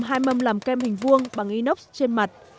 hai mâm làm kem hình vuông bằng inox trên mặt